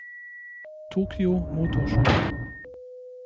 Tokyo Motor Show.